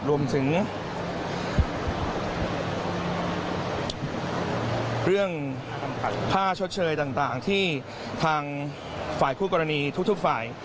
รวมถึงเรื่องค่าชดเชยต่างที่ทางฝ่ายคู่กรณีทุกฝ่าย